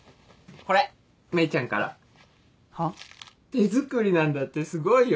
手作りなんだってすごいよね。